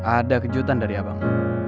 ada kejutan dari abang